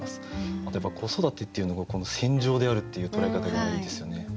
あとやっぱ子育てっていうのが戦場であるっていう捉え方がいいですよね。